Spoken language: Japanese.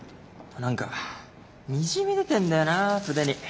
何かにじみ出てんだよな筆に。